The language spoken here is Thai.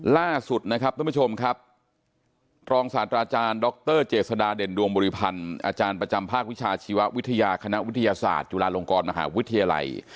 ล่าสุดนะครับท่านผู้ชมครับรองศาสตราจารย์ดรเจษฎาเด่นดวงบริพันธ์อาจารย์ประจำภาควิชาชีววิทยาคณะวิทยาศาสตร์จุฬาลงกรมหาวิทยาลัย